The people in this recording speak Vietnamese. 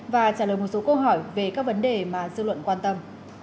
và trả lời một số câu hỏi về các vấn đề mà dư luận quan tâm